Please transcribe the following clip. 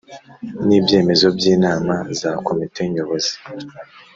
n ibyemezo by inama za Komite Nyobozi